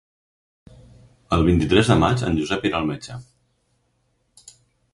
El vint-i-tres de maig en Josep irà al metge.